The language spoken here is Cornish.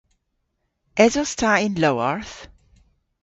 Esos ta y'n lowarth?